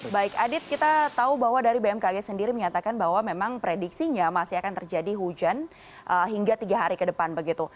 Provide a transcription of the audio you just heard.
baik adit kita tahu bahwa dari bmkg sendiri menyatakan bahwa memang prediksinya masih akan terjadi hujan hingga tiga hari ke depan begitu